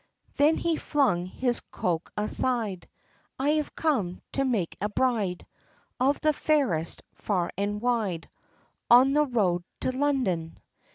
Then he flung his cloak aside, "I have come to make a bride, Of the fairest, far and wide, On the road, to London."